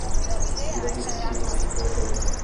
বিরহী চিঠি লিখতে চলল।